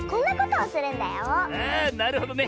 あなるほどね。